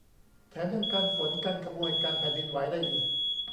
แถมยังกันฝนกันขโมยกันแผ่นดินไหวได้อีก